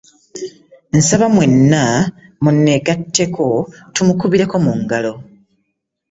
Nsaba mwenna munneegatteko tumukubireko mu ngalo.